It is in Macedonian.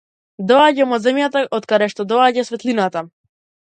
Доаѓам од земјата од каде што доаѓа светлината.